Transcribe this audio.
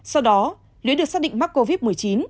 sau đó lé được xác định mắc covid một mươi chín